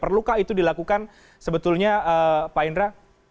perlukah itu dilakukan sebetulnya pak indra